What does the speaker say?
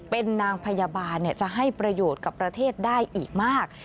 เป็นนางพยาบาลจะให้ประโยชน์กับประเทศได้อีกมาก